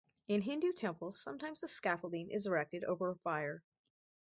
In Hindu temples sometimes a scaffolding is erected over a fire.